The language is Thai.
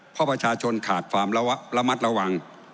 เพราะประชาชนขาดความระมัดระวัง